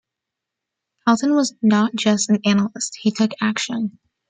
Helton was not just an analyst; he took action.